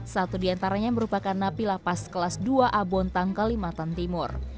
satu diantaranya merupakan napi lapas kelas dua a bontang kalimantan timur